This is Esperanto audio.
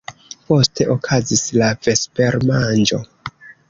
Poste okazis la vespermanĝo.